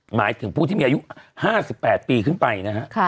หมายถึงผู้ที่มีอายุ๕๘ปีขึ้นไปนะฮะ